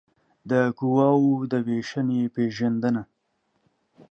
د قواوو د وېشنې پېژندنه